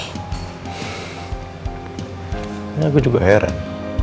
ini aku juga heran